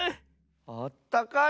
あったかい？